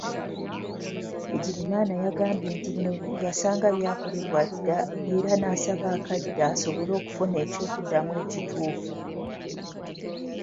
Bigirimana yagambye nti bino yasanga byakolebwa dda era n'asaba akadde asobole okufuna eky'okuddamu ekituufu.